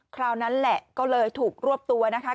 คราวนั้นแหละก็เลยถูกรวบตัวนะคะ